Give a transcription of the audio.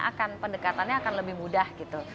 akan pendekatannya akan lebih mudah gitu